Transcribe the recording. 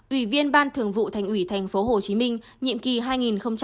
ủy viên ban thường vụ thành ủy tp hcm nhiệm kỳ hai nghìn một mươi năm hai nghìn hai mươi